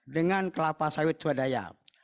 dengan kelapa sawit swadaya